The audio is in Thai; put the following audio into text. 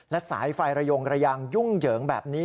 และสายไฟระยงระยางยุ่งเหยิงแบบนี้